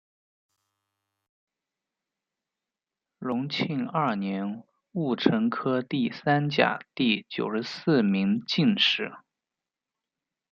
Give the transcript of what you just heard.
隆庆二年戊辰科第三甲第九十四名进士。